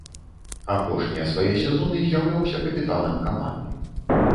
Апошнія свае сезоны з'яўляўся капітанам каманды.